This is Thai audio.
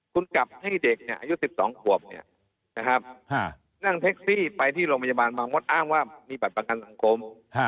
คุณกลับให้เด็กเนี่ยอายุ๑๒ขวบเนี่ยนะครับนั่งเท็กซี่ไปที่โรงพยาบาลบางวัดอ้างว่ามีบัตรประกันสังคม